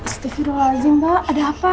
steffi lu lagi mbak ada apa